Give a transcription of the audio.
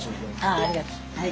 あっありがとう。